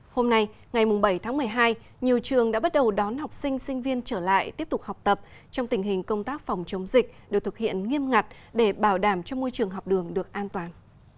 hôm nay ngày bảy tháng một mươi hai nhiều trường đã bắt đầu đón học sinh sinh viên trở lại tiếp tục học tập trong tình hình công tác phòng chống dịch được thực hiện nghiêm ngặt để bảo đảm cho môi trường học đường được an toàn